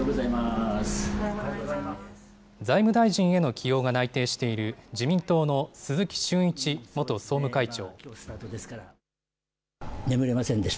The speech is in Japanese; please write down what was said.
財務大臣への起用が内定している自民党の鈴木俊一元総務会長。